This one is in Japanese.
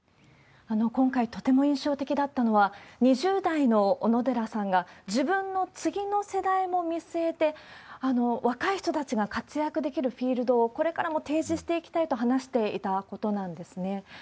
今回、とても印象的だったのは、２０代の小野寺さんが、自分の次の世代も見据えて、若い人たちが活躍できるフィールドをこれからも提示していきたいと話していたことなんですね。